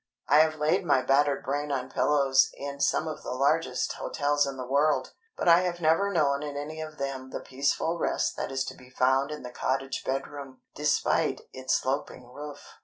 I have laid my battered brain on pillows in some of the largest hotels in the world; but I have never known in any of them the peaceful rest that is to be found in the cottage bedroom, despite its sloping roof.